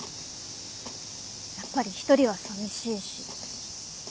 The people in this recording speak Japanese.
やっぱり１人は寂しいし。